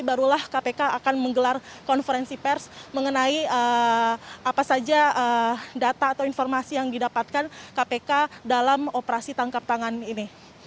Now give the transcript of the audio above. barulah kpk akan menggelar konferensi pers mengenai apa saja data atau informasi yang didapatkan kpk dalam operasi tangkap tangan ini